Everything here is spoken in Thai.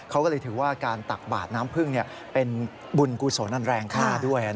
เขาก็เลยถือว่าการตักบาดน้ำพึ่งเป็นบุญกุศลอันแรงค่าด้วย